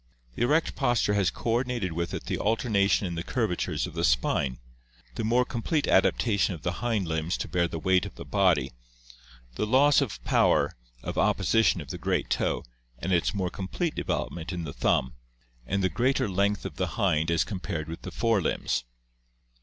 The erect posture has coordinated with it the alternation in the curvatures of the spine, the more complete adaptation of the hind limbs to bear the weight of the body, the loss of the power of opposition of the great toe and its more complete development in the thumb, THE EVOLUTION OF MAN 653 and the greater length of the hind as compared with the fore limbs.